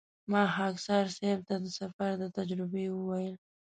ما خاکسار صیب ته د سفر د تجربې وویل.